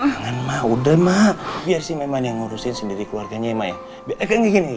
jangan mah udah mah biar sih memang yang ngurusin sendiri keluarganya ya mah ya